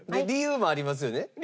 理由もありますよね？